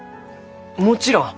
もちろん！